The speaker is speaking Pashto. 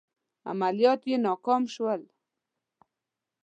عملیات یې ناکام شول.